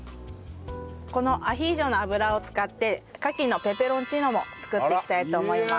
このアヒージョの油を使ってカキのペペロンチーノも作っていきたいと思います。